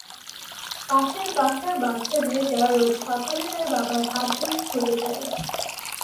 পাশের বাসার বাচ্চা মেয়েটা রোজ সকালে তার বাবার হাত ধরে স্কুলে যায়।